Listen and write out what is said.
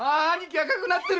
赤くなってる。